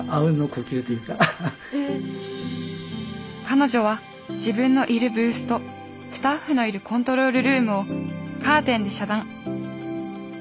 彼女は自分のいるブースとスタッフのいるコントロールルームをカーテンで遮断。